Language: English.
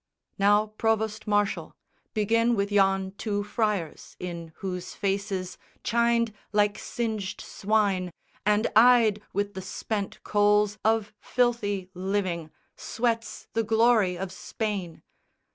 "Now, provost marshal, Begin with yon two friars, in whose faces Chined like singed swine, and eyed with the spent coals Of filthy living, sweats the glory of Spain.